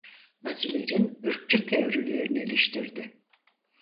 Nazilerin ırkçı teorilerini eleştirdi.